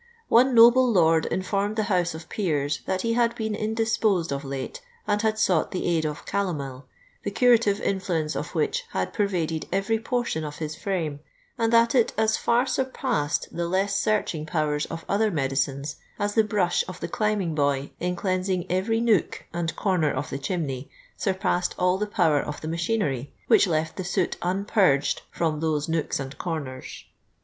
One noble lord informed the House of Peers that he had been indisposed of late and had sought the aid of calomel, the curative influence of which had pervaded every portion of his frame ; and that it as fax surpassed the less searching powers of other medicines, as the brush of the climbing boy in cleansing every nook and comer of the chimney, surpassed all the power of the machinery, which left the soot unpurged from those nooks and comers.